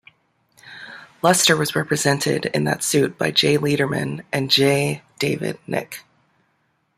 Luster was represented in that suit by Jay Leiderman and J. David Nick.